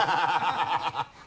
ハハハ